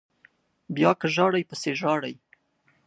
بیا که ژاړئ پسې ژاړئ